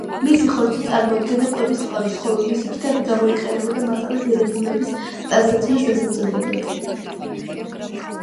მისი ხორცი წარმოადგენდა კვების წყაროს, ხოლო მისი ფრთები გამოიყენებოდა მაღალი ღირებულების ტანსაცმლის დასამზადებლად.